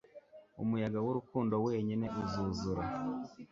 umuyaga w'urukundo wenyine uzuzura